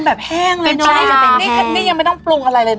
นี่ไง